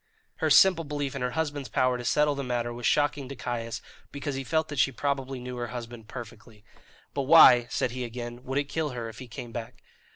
Her simple belief in her husband's power to settle the matter was shocking to Caius, because he felt that she probably knew her husband perfectly. "But why," said he again, "would it kill her if he came back?"